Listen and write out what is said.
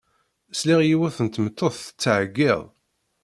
Sliɣ i yiwet n tmeṭṭut tettɛeyyiḍ.